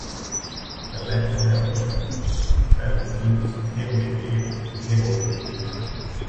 eletroreológico, ferrofluidos, reometria, reômetro